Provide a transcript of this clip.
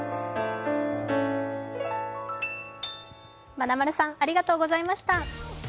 まなまるさん、ありがとうございました。